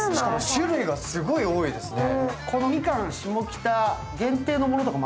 種類がすごい多いですね。